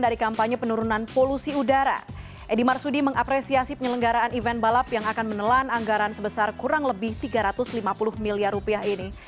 dari kampanye penurunan polusi udara edi marsudi mengapresiasi penyelenggaraan event balap yang akan menelan anggaran sebesar kurang lebih tiga ratus lima puluh miliar rupiah ini